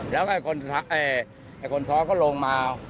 แล้วก็คนซ้อนก็ลงมา